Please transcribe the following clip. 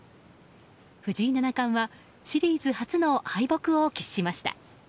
藤井七冠はシリーズ初の敗北を喫しました。